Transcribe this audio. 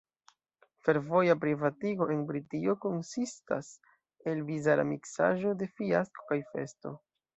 Fervoja privatigo en Britio konsistas el bizara miksaĵo de fiasko kaj festo.